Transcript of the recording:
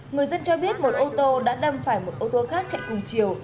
người dân cho biết một ô tô đã đâm phải một ô tô khác chạy cùng chiều